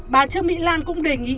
bà trương mỹ lan cũng đề nghị